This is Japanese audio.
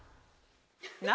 何？